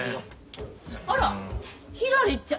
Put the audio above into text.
あらひらりちゃん！